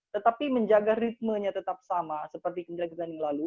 tetapi menjaga ritmenya tetap sama seperti kejadian kejadian yang lalu